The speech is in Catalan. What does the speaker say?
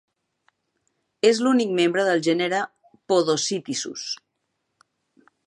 És l'únic membre del gènere "Podocytisus".